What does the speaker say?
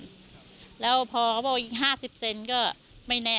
แล้วพอเขาบอกว่าอีก๕๐เซนต์ก็ไม่แน่